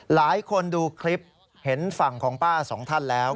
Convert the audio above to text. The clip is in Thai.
หลายคนดูคลิปเห็นฝั่งของป้าสองท่านแล้ว